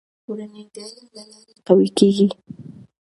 کورنۍ د علم له لارې قوي کېږي.